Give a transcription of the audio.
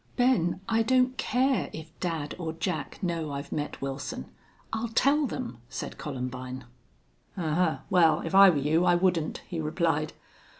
"Ben, I don't care if dad or Jack know I've met Wilson. I'll tell them," said Columbine. "Ahuh! Well, if I were you I wouldn't," he replied.